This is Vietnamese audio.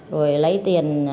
rồi lấy tiền